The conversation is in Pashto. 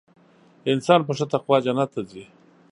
انسان په ښه تقوا جنت ته ځي .